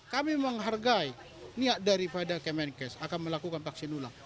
kami menghargai niat daripada kemenkes akan melakukan vaksin ulang